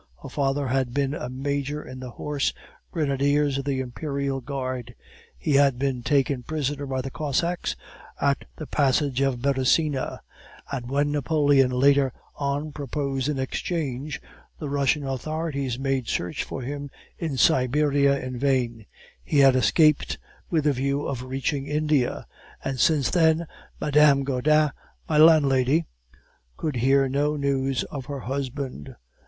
Her father had been a major in the horse grenadiers of the Imperial Guard. He had been taken prisoner by the Cossacks, at the passage of Beresina; and when Napoleon later on proposed an exchange, the Russian authorities made search for him in Siberia in vain; he had escaped with a view of reaching India, and since then Mme. Gaudin, my landlady, could hear no news of her husband.